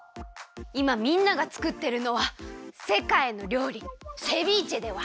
いまみんながつくってるのはせかいのりょうりセビーチェでは？